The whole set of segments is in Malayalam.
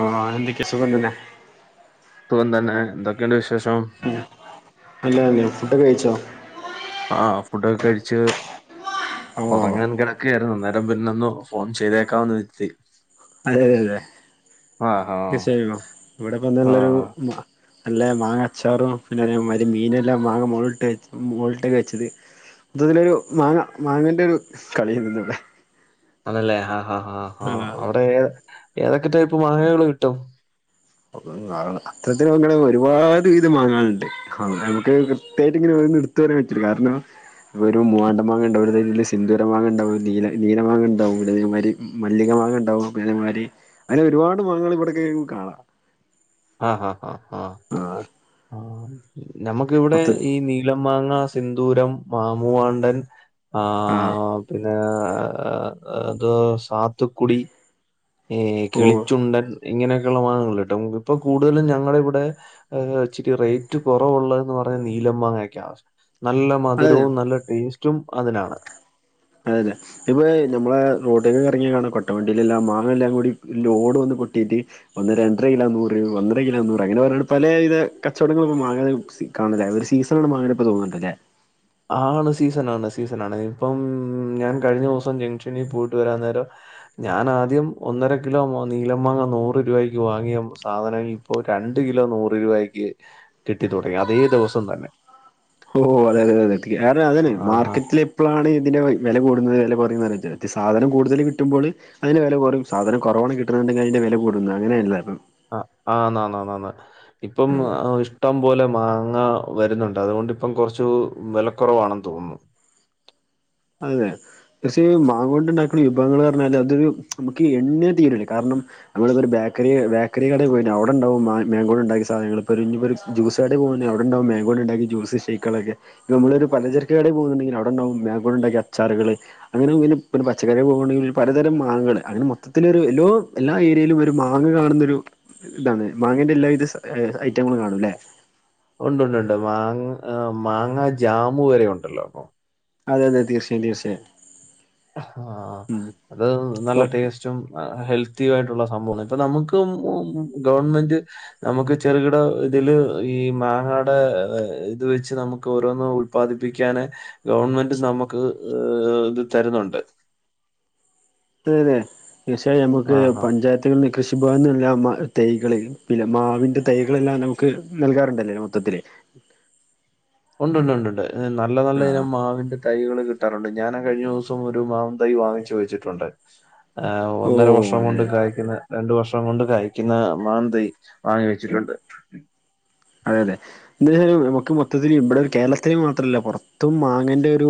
ആഹ് എന്തൊക്കെ സുഖം തെന്നെ സുഖം തന്നെ എന്തൊക്കെണ്ട് വിശേഷം? നല്ലാന്നെ ഫുഡ് ഒക്കെ കഴിച്ചോ? ആഹ് ഫുഡൊക്കെ കഴിച്ച് ഓഹ് ഒറങ്ങൻ കിട ക്കായിരുന്നു അന്നേരം പിന്നൊന്ന് ഫോൺ ചെയ്തേക്കാന്ന് വരുത്തി അതെ തെ തെ ഹാ തീർച്ചയായു ആ ഇവിടെപ്പന്താള്ളൊരു നല്ല മാങ്ങ അച്ചാറും പിന്നെ അതെമായിരി മീനെല്ലാം മാങ്ങ മൊള് ഇട്ടെ മൊൾ ഇട്ടെക്ക് വെച്ചെത് ഇതില് രു മാങ്ങ മാങ്ങ ൻ്റെരു കളിയേന്നുന്ന് വടെ ആണല്ലേ ആ ഹാ ഹാ ഹാ ആഹ് അവടെ ഏതൊക്കെ ടൈപ്പ് മാങ്ങകള് കിട്ടും? [unintelligible] പത്രത്തിന് അങ്ങ ഒരുപാട് വീതം മാങ്ങാനുണ്ട്. നമുക്ക് കൃത്യമായിട്ട് ഇങ്ങനെ ഒരെണ്ണം ഇടുത്തു പറയാൻ പറ്റൂല കാരണം വരു മൂവാണ്ട മാങ്ങ ഉണ്ടാവു അതിൽസിന്തൂരമാങ്ങ ഉണ്ടാവു ടെ നീല നീലമാങ്ങണ്ടാവും ഇവടെ വരും മല്ലിക മാങ്ങ ഉണ്ടാവും പിന്നമാരി അങ്ങനെ ഒരുപാട് മാങ്ങകൾ ഇവിട കേറികാണാം ആഹാ ഹാ ഹാ ഹാ ആഹ് ആ നമുക്കിവിടെ ഈ നീലമാങ്ങ, സിന്ദൂരം, മാ മൂവാണ്ടൻ ആ ആഹ് പിന്നെ അതോ സാത്ത്ക്കുടി ഏഹ് ഓ കിളിച്ചുണ്ടൻ ഇങ്ങനെയൊക്കെയുള്ള മാങ്ങകളുട്ടോ ഇപ്പൊ കൂടുതലും ഞങ്ങളെ ഇവിടെ ഏഹ് ഇച്ചിരി റേറ്റ് കൊറവുള്ള എന്ന് പറയ നീലമാങ്ങയൊക്കെയ നല്ല അതെ മധുരവും നല്ല ടേസ്റ്റും അതിനാണ് അതെഅതെ ഇപ്പ നമ്മളെ റോട്ടിക്കൊക്കെ എറങ്ങിയ കാണ കൊട്ടവണ്ടയിലെല്ലാം മാങ്ങ എല്ലാം കൂടി ലോഡ് വന്ന് കൊട്ടിയിട്ട് ഒന്ന് രണ്ടര കിലോ നൂറ് ഒന്നര കിലോ നൂറ് അങ്ങനെ പറഞ്ഞ പലേ ഇത് കച്ചവടങ്ങളും ഇപ്പൊ മാങ്ങാ സീ കാണുലെ ഒരു സീസണണ് മാങ്ങന്റെപ്പോ തോന്ന്ണ്ടല്ലേ ആണ് സീസണാണ് സീസണാണ് ഇപ്പം ഞാൻ കഴിഞ്ഞ ദിവസം ജംഗ്ഷനിൽ പോയിട്ട് വരാൻ നേരം ഞാൻ ആദ്യം ഒന്നര കിലോ നീലം മാങ്ങ നൂറ് രൂപക്ക് വാങ്ങിയ സാധനം ഇപ്പോ ഇപ്പൊ രണ്ട് കിലോ നൂറ് രൂപക്ക് കിട്ടി തുടങ്ങി അതേ ദിവസം തന്നെ ഓ അതെ അതെ അതെ കാരണം അതാണ് ആഹാ! മാർക്കറ്റില് ഇപ്പളാണ് ഇതിൻ്റെ വെല കൂടുന്നത് വെല കുറയുന്നത് സാധനം കൂടുതൽ കിട്ടുമ്പോള് അയിന്റെ വെല കൊറയും സാധനം കൊറവാണ് കിട്ടുന്നുണ്ടെങ്കി അയ്ന്റെ വില കൂടും അങ്ങനെല്ലെ അപ്പം ആഹ് ആന്ന് ആന്ന് ന്ന് ഇപ്പം ഇഷ്ടം പോലെ മാങ്ങ വരുന്നുണ്ട് അതുകൊണ്ടിപ്പം കൊറച്ച് വെലക്കുറവാണെന്ന് തോന്നുന്നു അതെ പക്ഷ മാങ്ങ കൊണ്ടുണ്ടാക്കുന്ന വിഭവങ്ങള് റഞ്ഞാല് അതൊരു നമുക്ക് എണ്ണിയ തീരൂല്ല കാരണം നമ്മളിപ്പൊരു ബേക്കറി ബേക്കറി കടയി പോയിട്ട് അവിടെ ഇണ്ടാവും മാ മേങ്കോണ്ട് ഉണ്ടാക്കിയ സാധനങ്ങള് ഇപ്പൊരു ഇഞ്ഞിപ്പൊരു ജൂസ്സടെല് പോവ അവിടെണ്ടാവും മാങ്കോ ഇണ്ടാക്കി ജ്യൂസ് ഷെയക്കുകളൊക്കെ ഇപ്പം നമ്മളൊരു പലചരക്ക് കടെൽ പോകുന്നുണ്ടെങ്കി അവിടെണ്ടാവും മാൻഗോണ്ടുണ്ടാക്കിയ അച്ചറുകള് അങ്ങനെ പിന്നെ പച്ചക്കറി പോകണണ്ടെങ്കി പലതരം മാങ്ങകള് അങ്ങനെ മൊത്തത്തിലൊര് എല്ലോ എല്ലാ ഏരിയലും ഒരു മാങ്ങ കാണുന്ന ഒരു ഇതാണ് മാങ്ങന്റെ എല്ലാവിധ സ ഐറ്റങ്ങളും കാണുംല്ലെ ഉണ്ട്ണ്ട് ഉണ്ട് മാങ്ങ മാങ്ങ ജാമു വരെ ഉണ്ടല്ലോ ഇപ്പൊ അതെതെ തീർച്ചയായും തീർച്ചയായും ആഹ് അത് നല്ല ഇപ്പൊ ടേസ്റ്റ് റ്റും ഹെൽത്തിയും ആയിട്ടുള്ള സംഭവാണ് ഇപ്പൊ നമ്മക്കും ഗവൺമെന്റ് നമുക്ക് ചെറുകിട ഇതില് ഈ മാങ്ങടെ ഇത് വെച്ച് നമുക്ക് ഓരോന്ന് ഉല്പ്പാദിപ്പിക്കാന് ഗവൺമെന്റ് നമുക്ക് ഇത് തരുന്നുണ്ട് അതതെ തീർച്ചയായും നമക്ക് ആ പഞ്ചായത്ത് കൃഷിഭവൻ ന്ന്‌ള്ള തൈകള് പിന്നെ മാവിന്റെ തൈകളെല്ലാം നമുക്ക് നൽകാറുണ്ടല്ലേ മൊത്തത്തില് ഉണ്ട്ണ്ട് ണ്ട് ഉണ്ട് നല്ല നല്ല ആഹ് ഇനം മാവിന്റെ തൈകള് കിട്ടാറുണ്ട് ഞാനാ കഴിഞ്ഞ ദിവസം ഒരു മാ വിൻ തൈ വാങ്ങിച്ചു വെച്ചിട്ടുണ്ട് ആ ഓ ഒന്നര വർഷം അതെ അതെ കൊണ്ട് കായ് ക്കുന്ന രണ്ടു വർഷം കൊണ്ട് കായ് ക്കുന്ന മാന്തൈ വാങ്ങി വെച്ചിട്ടുണ്ട് അതെ അതെ എന്താ വച്ചൽ അതെ അതെ അതെ ഇതിൽ നമുക്ക് മൊത്തത്തിൽ ഇബെടെ ഒരു കേരളത്തിൽ മാത്രം അല്ല പൊർത്തും മാങ്ങന്റെ ഒരു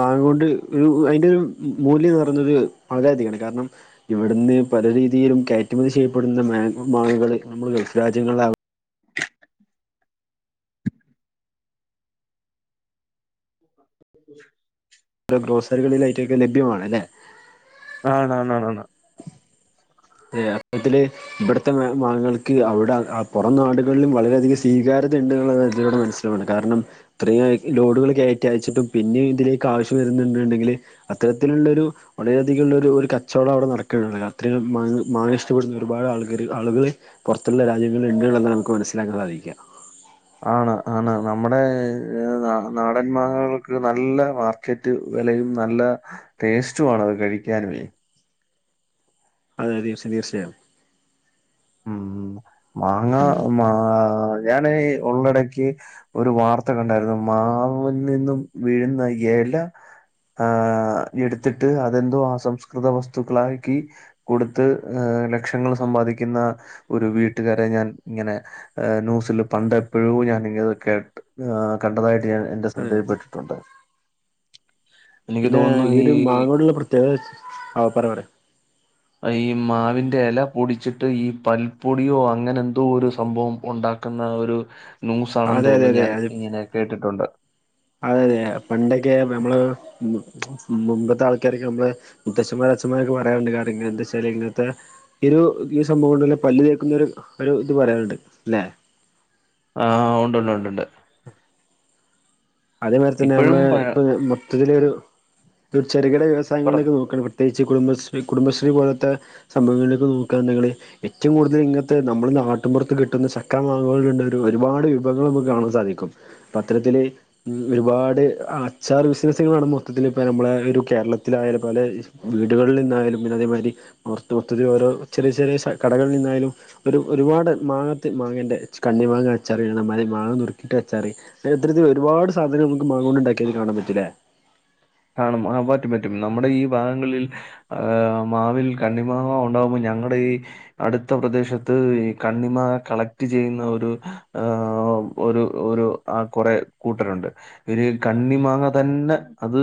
മാങ്ങൊണ്ട് ഒരു അയിന്റെ ഒരു മൂല്യം പറയന്നത് വളരെ യധികം കാരണം ഇവിടുന്ന് പല രീതിയിലും കയറ്റുമതി ചെയ്യപ്പെടുന്ന മാങ്ങോ മാങ്ങകൾ നമ്മൾ ഗൾഫ് രാജ്യങ്ങളിലാലോ [inaudible] ഗ്രോസറികളിലായിട്ടൊക്കെ ലഭ്യമാണ് ല്ലേ ആണാ ണാ ണ ഏഹ് അപ്പത്തില് ഇബട്ത്തെ മാങ്ങകൾക്ക് അവിടെ പുറം നാടുകളിലും വളരെയധികം സ്വീകാര്യത ഉണ്ടന്ന് ഇതിലൂടെ മനസ്സില ലോഡ് കാരണം ഇത്രയും ലോഡുകള് കയറ്റി അയച്ചിട്ടും പിന്നെയും ഇതിലേക്ക് ആവശ്യം വരുന്നു ണ്ട് എന്നുണ്ടെങ്കില് അത്തരത്തിലുള്ളൊ രു വളരെയധികള്ളൊ രു ഒരു കച്ചവടം അവിടെ നടക്കണ് ണ്ട്അത്ര മാങ്ങ മാങ്ങ ഇഷ്ട്ട പ്പെടുന്ന ഒരുപാട് ആളുകര് ആളുകള് പൊറത്തുള്ള രാജ്യങ്ങളിൽ ഉണ്ട്ന്ന്ള്ള നമുക്ക് മനസ്സിലാക്കാൻ സാധിക്കാം ആണ് ആണ് നമ്മുടെ ന നാടന്മാങ്ങകൾക്ക് നല്ല വാർത്ത ക്കെ ഇട്ട് വെലയും നല്ല ടെസ്റ്റും ആണ് അത് കഴിക്കാനുവെ അതെ അതെ തീർച്ചയായും ഉം മാങ്ങ മാ ഞാനെ ഉള്ളിടയ്ക്ക് ഒരു വാർത്ത കണ്ടായിരുന്നു മാവിൽ നിന്നും വീഴുന്ന യെല ആഹ് ഇട്ത്തിട്ട് അത് എന്തോ അസംസ്കൃത വസ്തുക്കളാക്കി കൊട്ത്ത് ഏഹ് ലക്ഷങ്ങൾ സമ്പാദിക്കുന്ന ഒരു വീട്ടുകാരെ ഞാൻ ഇങ്ങനെ ഏഹ് ന്യൂസിൽ പണ്ട് എപ്പഴോ ഞാൻ ഇങ്ങനെ ഇത് കേട്ട് ആഹ് കണ്ടതായിട്ട് ഞാൻ എന്റെ അതെ ശ്രദ്ധയിൽപ്പെട്ടിട്ട് ഉണ്ട്. പിന്നെ ഈ ഒരു മാങ്ങോട് ഇള്ള പ്രത്യേകത വെച്ച് ആഹ് പറ പറെ ഈ മാവിന്റെ ഇല പൊടിച്ചിട്ട് ഈ പൽപ്പൊടിയോ അങ്ങനെ എന്തോ ഒരു സംഭവം ഉണ്ടാ ക്ക്ന്ന ഒരു ന്യൂസ് ആണെന്ന് അതെ അതെ തോന്നുന്നു ഞാൻ ഇങ്ങനെ കേട്ടിട്ടുണ്ട് അതെ അതെ പണ്ടൊക്കെ നമ്മെൾ മു മുമ്പത്തെ ആൾക്കാരൊക്കെ നമ്മെൾ മുത്തച്ഛന്മാര് അച്ഛന്മാരെക്കെ പറയാറ് ഇണ്ട് കാര്യങ്ങെൾ എന്താച്ചാൽ ഇങ്ങെൻത്തെ ഈ ഒരു ഈ സംഭവം കൊണ്ട്ല്ലെ പല്ല് തേക്കുന്ന ഒരു ഒരു ഇത് പറയാർ ഇണ്ട് ലെ? ആഹ് ഉണ്ട് ഉണ്ട് ഉണ്ട് ഉണ്ട് അതെ മാരി തെന്നെ നമ്മളെ ഇപ്പോഴും പഴ ഇപ്പ ഇത് മൊത്തത്തിൽ ഒരു ഒരു ചെറുകിട പറ വ്യവസായങ്ങളിലേക്ക് നോക്കാണെങ്കി പെട്ട പ്രത്യേകിച്ച് കുടുംബശ്രീ കുടുംബശ്രീ പോലത്തെ സംഭവങ്ങളിലേക്ക് നോക്കാന് ഞങ്ങൾ ഏറ്റവും കൂടുതൽ ഇങ്ങത്തെ നമ്മള നാട്ടുമപുറത്ത് കിട്ടുന്ന ചക്ക മാങ്ങകൾ ഒരു ഒരുപാട് വിഭവങ്ങൾ നമുക്ക് കാണാൻ സാധിക്കും പത്രത്തില് ഉം ഒരുപാട് അച്ചാർ ബിസിനസ്സുകളാണ് മൊത്തത്തിൽ ഇപ്പ നമ്മളെ ഒരു കേരളത്തിലായാലും പലെ വീടുകളിൽ നിന്നായാലും പിന്നെ അതേമാതിരി പൊർത്ത് മൊത്തത്തിൽ ഓരോ ചെറെ ചെറെ കടകളിൽ നിന്നായാലും ഒരു ഒരുപാട് മാങ്ങത്ത് മാങ്ങേൻ്റെ കണ്ണി മാങ്ങ അച്ചാറിടനം ന്നാലെ മാങ്ങം നുറുക്കയിട്ട് അച്ചാറി ഇത്തരത്തിൽ ഇത് ഒരുപാട് സാധനം നമ്മെക്ക് മാങ്ങോണ്ട് ഇണ്ടാക്കിയെത് കാണാൻ പറ്റും ലെ കാണും ആ പറ്റും പറ്റും നമ്മുടെ ഈ ഭാഗങ്ങളിൽ ആഹ് മാവിൽ കണ്ണിമാങ്ങ ഉണ്ടാകുമ്പോ ഞങ്ങടെ ഈ അടുത്ത പ്രദേശത്ത് ഈ കണ്ണിമാങ്ങ കളക്ട് ചെയ്യുന്ന ഒരു ആ ഒരു ഒരു ആഹ് കൊറെ കൂട്ടെര് ഉണ്ട് ഇവെര് കണ്ണി മാങ്ങ തെന്നെ അത്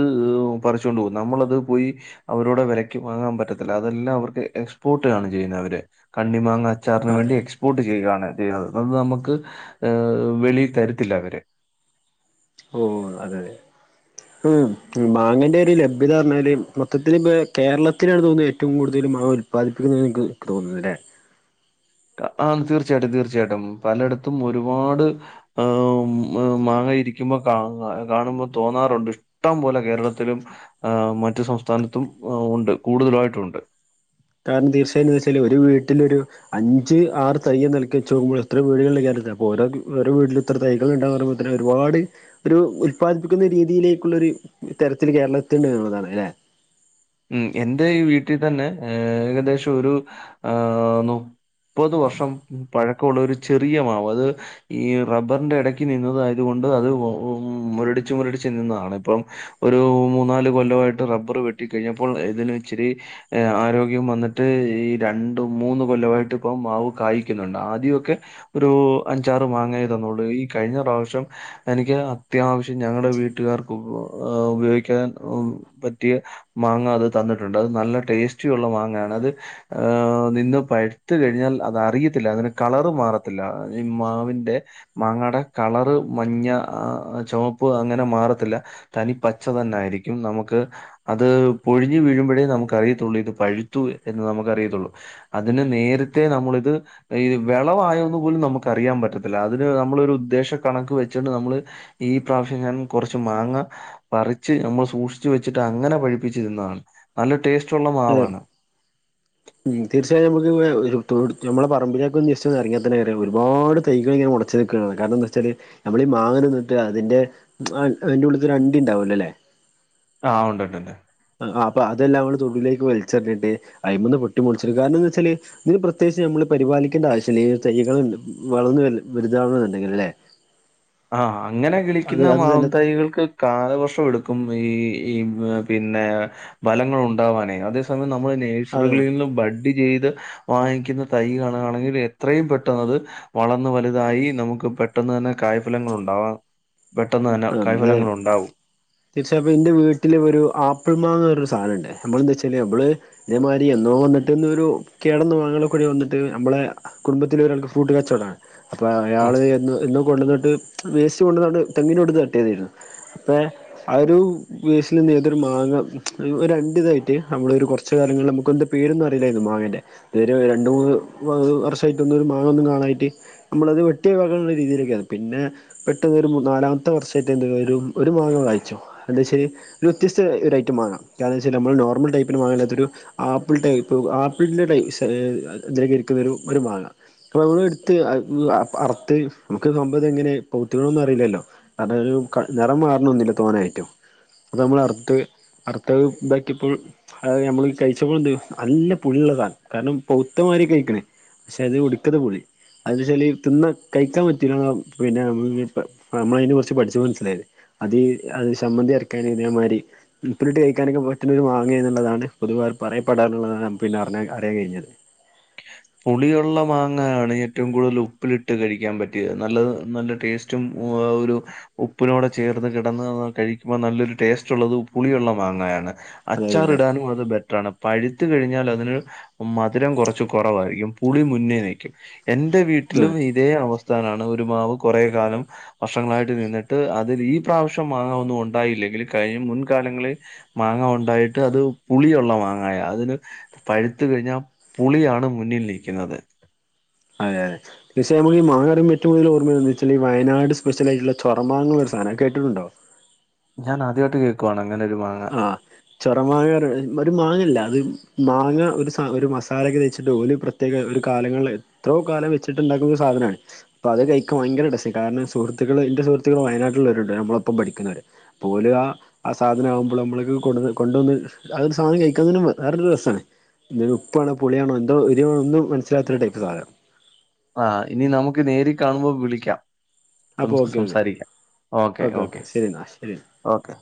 പറിച്ചുകൊണ്ട് പോകും നമ്മളത് പോയി അവരോട് വിലക്ക് വാങ്ങാൻ പറ്റത്തില്ല അതെല്ലാം അവർക്ക് എക്സ്പോർട്ട് ആണ് ചെയ്യുന്നത് അവര് കണ്ണിമാങ്ങാ ച്ചാറിന് അതെ വേണ്ടി എക്സ്പോർട്ട് ചെയ്യുകയാണ് ചെയ്യ്ണെത് അത് നമ്മെക്ക്‌ ഏഹ് വെളി തരത്തില്ല അവെര് ഓഹ് അതെ അതെ മാങ്ങൻ്റെ ഒരു ലഭ്യത പറഞ്ഞാൽ മൊത്തത്തിൽ ഇപ്പോ കേരളത്തിലാണ് തോന്നുന്നത് ഏറ്റവും കൂടുതൽ മാവ് ഉൽപ്പാദിപ്പിക്കുന്നില്ലെന്ന് ഇൻക്ക് തോന്ന്ന്ന് ലെ? കാ ആഹ് തീർച്ചയായിട്ടും തീർച്ചയായിട്ടും പല എട്ത്തും ഒര്പാട് ആഹ് മാങ്ങ ഇരിക്കുമ്പോ കാ കാണുമ്പോൾ തോന്നാറുണ്ട് ഇട്ടം പോലെ കേരളത്തിലും ആഹ് മറ്റു സംസ്ഥാനത്തും ഏഹ് ഉണ്ട് കൂട്തലായിട്ടും ഉണ്ട്. കാരണം തീർച്ചായിട്ടും വെച്ചാല് ഒരു വീട്ടിലൊരു അഞ്ച് ആറ് തയ് നൽക്കിച്ച് നോക്കുമ്പോ എത്ര വീടുകളില കാര്യത്തി ഓരോ ഓരോ വീട്ടില എത്ര തൈകൾ ഇണ്ടാവും [unintelligible] ഒരുപാട് ഒരു ഉത്പാദിപ്പിക്കുന്ന രീതിയിലേക്കുള്ള ഒരു തരത്തിൽ കേരള എത്തുണ്ട് എന്നുള്ളതാണ് അല്ലെ ഉം എന്റെ ഈ വീട്ടി തന്നെ ഏകദേശം ഒരു ആ നൂ മുപ്പെത് വർഷം പഴക്കമുള്ള ഒരു ചെറിയ മാവ് അത് ഈ റബ്ബറിന്റെ എടെക്ക് നിന്നതായെത് കൊണ്ട് അത് ഓ ഓ മൊരടിച്ച് മൊരടിച്ച് നിന്നതാണ് ഇപ്പം ഒരു മൂന്നാല് കൊല്ലമായിട്ട് റബ്ബർ വെട്ടിക്കഴിഞ്ഞപ്പോൾ ഇതിന് ഇച്ചിരി ആരോഗ്യം വന്നിട്ട് ഈ രണ്ടു മൂന്ന് കൊല്ലമായിട്ട് ഇപ്പം മാവ് കായ്ക്കുന്നുണ്ട് ആദ്യമൊക്കെ ഒരു അഞ്ചാറ് മാങ്ങേ തന്നുള്ളൂ ഈ കഴിഞ്ഞ പ്രാവശ്യം എനിക്ക് അത്യാവശ്യം ഞങ്ങളെ വീട്ടുകാർക്ക് ഉപയോഗിക്കാൻ പറ്റിയ മാങ്ങ അത് തന്നിട്ടുണ്ട് അത് നല്ല ടേസ്റ്റി ഉള്ള മാങ്ങയാണ് അത് ആഹ് നിന്ന് പഴുത്ത് കഴിഞ്ഞാൽ അത് അറിയത്തില്ല അതിന് കളറ് മാറത്തില്ല ഈ മാവിന്റെ മാങ്ങാടെ കളറ് മഞ്ഞ ചുവപ്പ് അങ്ങനെ മാറത്തില്ല തനി പച്ച തന്നൊയിരിക്കും നമുക്ക് അത് പൊഴിഞ്ഞു വീഴുമ്പഴേ നമുക്ക് അറിയത്തുള്ളൂ ഇത് പഴുത്തു എന്ന് നമുക്ക് അറിയത്തുള്ളൂ അതിന് നേരത്തെ നമ്മളിത് ഈ വിളവായോന്ന് പോലും നമുക്ക് അറിയാൻ പറ്റത്തില്ല അതിന് നമ്മളൊരു ഉദ്ദേശ കണക്ക് വെച്ചിണ്ട് നമ്മള് ഈ പ്രാവശ്യം ഞാൻ കുറച്ച് മാങ്ങ പറിച്ച് നമ്മൾ സൂക്ഷിച്ച് വെച്ചിട്ട് അങ്ങനെ പഴ ച്ചിരുന്നണ് നല്ല ടേസ്റ്റ് ഉള്ള അതെ മാവാണ് ഉം തീർച്ചയായും നമുക്ക് നമ്മളെ പറമ്പലെക്കൊന്ന് ജസ്റ്റ്‌ എറങ്ങിയാത്തന്നെ വയ ഒരുപാട് തൈകൾ മൊട കാരണം എന്താച്ചാല് നമ്മളി മാങ്ങ തിന്നിട്ട് അതിന്റെ അതിന്റെ ഉള്ളിത്തെ ഒരു അണ്ടി ഉണ്ടാവല്ലോല്ലേ ആ ഉണ്ട്ണ്ട് ണ്ട് അ അപ്പൊ അതെല്ലാം കൂടി തൊടുലേക്ക് വലിച്ചിറിഞ്ഞിട്ട് അയ്മന്ന് പൊട്ടി മുളിച് കാരണം എന്താച്ചാല് ഇത് പ്രത്യേകിച്ച് നമ്മള് പരിപാലിക്കേണ്ട ആവശ്യല്ല തൈകൾ വളർന്ന് വലുതാ [unintelligible] അല്ലെ [inaudible] ആ അങ്ങനെ അത് കിളിക്കുന്ന അത് മാവും തന്നെ തയികൾക്ക് കാലവർഷം എടുക്കും ഈ ഈ പിന്നെ ബലങ്ങൾ ഉണ്ടാവാനെ അതേ സമയം നമ്മള് ആ നേഴ്സറികളിന്ന് ബഡി ചെയ്ത് വാങ്ങിക്കുന്ന തൈകളാണെങ്കിൽ എത്രയും പെട്ടെന്നത് വളർന്ന് വലുതായി നമുക്ക് പെട്ടെന്ന് തന്നെ കായ ഫലങ്ങൾ ഉണ്ടാവാ പെട്ടെന്ന് തന്നെ കായ് ഫലങ്ങൾ ഉണ്ടാവും ഇച്ചപ്പി ൻ്റെ വീട്ടിൽ ഒരു ആപ്പിൾ മാങ്ങ പറഞ്ഞ ഒര് സാനണ്ട് നമ്മളെന്താ ച്ചാൽ നമ്മള് ഇതേമാതിരി എന്നോ വന്നിട്ട് ഇന്നരു കേടന്നു മാങ്ങേള് കൂടി വന്നിട്ട് അമ്മളെ കുടുംബത്തില് ഒരാൾക്ക് ഫ്രൂട്ട് കച്ചവടാണ് അപ്പൊ അയാള് എന്ന എന്നും കൊണ്ടുന്നിട്ട് വേസ്റ്റ് കൊണ്ടന്നാണ് തേങ്ങനൊട്ന്ന് തട്ടിയതായിരുന്നു അപ്പൊ ആ ഒരു വേസിൽ നിന്ന് ഏതൊരു മാങ്ങ ഒരു രണ്ടി ഇതായിട്ട് നമ്മള ഒരു കുറച്ച് കാലങ്ങൾ നമുക്ക എന്ത പേരും അറിയില്ലായിരുന്നു മാങ്ങേൻ്റെ ഇവര് രണ്ട മൂന്ന് വ വർഷായിട്ട് ഒന്ന ഒരു മാങ്ങൊന്നും കാണായിട്ട് നമ്മളത് വെട്ടിയെ വെക്കാനുള്ള രീതിയിലേക്കത് പിന്നെ പെട്ടെന്നൊരു മു നാലാമത്തെ വർഷായിട്ട് എന്തും ഒരു ഒരു മാങ്ങ വായിച്ചോ [unintelligible] ഒരു വ്യത്യസ്ത ഒരു ഐറ്റ മാങ്ങാ കാരണവെച്ചാ നമ്മ നോർമൽ ടൈപ്പന് മാങ്ങാനത്തൊരു ആപ്പിൾ ടൈപ്പ് ആപ്പിളിന്റെ ടൈപ്പ് ശെ [unintelligible] ഇരിക്കുന്ന ഒരു ഒരു മാഗ ഇപ്പ മ്മൾ എടുത്ത് അ അറത്ത് നമുക്ക് സംഭവ ഇത എങ്ങനെയാണ് [unintelligible] അറിയില്ലല്ലോ അത് ക നിറം മാറണൊന്നുല്ല തോന്നായിട്ടും അത് നമ്മൾ അർത്ത അറത്ത ഇതാക്കിയപ്പോൾ അത് നമ്മള് കയിച്ചപ്പോൾ എന്ത് നല്ല പുള്ളിയുള്ള സാധം കാരണം പൗത്തമാര് കയിക്കണേ പക്ഷെ അത് ഒടുക്കത്തെ പൊളി അതിച്ചാൽ തിന്ന കയിക്കാൻ പറ്റൂ [unintelligible] പിന്നെ നമ്മള അതിനെ കുറിച്ച് പഠിച്ചു മനസ്സിലായത് അത് അത് സമ്മന്തി അറക്കാന് ഇതേമായിരി ഉപ്പിലിട്ട് കയിക്കാനൊക്കെ പറ്റുന്ന ഒരു മാങ്ങാ എന്നുള്ളാണ് പൊതുവർ പറയപ്പെടറുള്ളതാണ് [unintelligible] പിന്നെ അ അറിയൻ കഴിഞ്ഞത് പുളിയുള്ള മാങ്ങയാണ് ഏറ്റവും കൂടുതൽ ഉപ്പിലിട്ട് കഴിക്കാൻ പറ്റിയത് നല്ല നല്ല ടേസ്റ്റ് റ്റും ഓ ഒരു ഉപ്പിനോടെ ചേർന്ന് കിടന്ന് കഴിക്കുമ്പോ നല്ലൊരു ടേസ്റ്റ് ഉള്ളത് പുളിയുള്ള മാങ്ങയാണ് അതെ അതെ അതെ അച്ചാറിടാനും അത് ബെറ്ററാണ് പഴുത്തു കഴിഞ്ഞാൽ അതിന് മധുരം കുറച്ച് ച്ചു കുറവാരിക്കും പുളി മുന്നേ നിക്കും എന്റെ വീട്ടിലും അതെ ഇ ഇതേ അവസ്ഥാനാണ് ഒരുമാവ് കുറെേ കാലം വർഷങ്ങളായിട്ട് നിന്നിട്ട് അതിൽ ഈ പ്രാവശ്യം മാങ്ങാ ഒന്നുണ്ടായില്ലെങ്കിൽ കഴിഞ്ഞ മുൻകാലങ്ങളിൽ മാങ്ങ ഉണ്ടായിട്ട് അത് പുളിയുള്ള മാങ്ങായ അതിന് പഴുത്തു കഴിഞ്ഞാ പുളിയാണ് മുന്നിൽ നിൽക്കുന്നത് അതെ അതെ [unintelligible] നമു ഈ മാങ്ങറിയുമ്പ ഏറ്റവും കൂടുതൽ ഓർമ്മയർന്ന് വെച്ചാൽ വയനാട് സ്പെഷ്യലായിട്ടുള്ള ചൊറമാങ്ങള ഒരു സാധനം കേട്ടിട്ടുണ്ടോ ഞാൻ ആദ്യായിട്ട് കേൾക്കുവാണ്‌ അങ്ങനെരു മാ ആ ചൊറ മാങ്ങ ഒർ ഒരു മാങ്ങല്ല അത് മാങ്ങ ഒരു ഒരു മസാലൊക്കെ തേച്ചിട്ട് പ്ര പ്രത്യേക ഒരു കാലങ്ങളിൽ എത്രോ കാലം വെച്ചിട്ടുണ്ടാക്കുന്ന ഒരു സാധനാണ് അപ്പ അത് കയിക്ക ഭയങ്കര രസം കാരണം സുഹൃത്തുക്കൾ എന്റെ സുഹൃത്തുക്കൾ വയനാട്ടിൽവരുണ്ട്മ്മളപ്പം പഠിക്കുന്നര് പോല് ആ ആ സാധനം ആവും ഇപ്പോൾ നമ്മൾക്ക് കൊണ്ട്ന്ന് കൊണ്ടുവന്ന് അതൊരു സാധനം കയിക്കാൻ തന്നെ വേറൊരു രസമാണ് ഉപ്പാണോ പുളിയാണോ എന്തോ എരിവൊന്നും മനസിലാത്ത ഒരു ടൈപ്പ് സാധനം ആ ഇനി നമുക്ക് നേരി കാണുമ്പോ വിളിക്കാം അപ്പൊ ഓക്കെ ഓക്കെ സംസാരിക്കാം ഓക്കെ ഓക്കെ ശരി എന്നാ ശരി ഓക്കെ